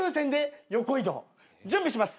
準備します。